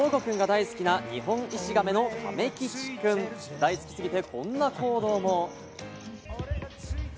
大好きすぎて、こんな行動も。